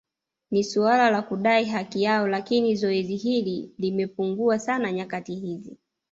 Ni suala la kudai haki yao lakini zoezi hili limepungua sana nyakati hizi